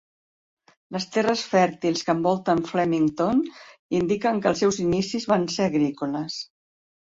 Les terres fèrtils que envolten Flemington indiquen que els seus inicis van ser agrícoles.